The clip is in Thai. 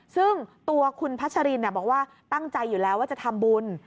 ซึ่งตัวคุณพัชรินบอกว่าตั้งใจอยู่แล้วว่าจะทำบุญ